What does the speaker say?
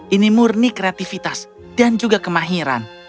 ini murni kreativitas dan juga kemahiran